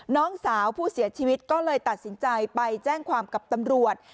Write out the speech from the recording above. น้องสาวผู้เสียชีวิตก็เลยตัดสินใจไปแจ้งความกับตำรวจ